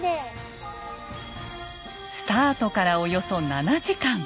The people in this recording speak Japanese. スタートからおよそ７時間。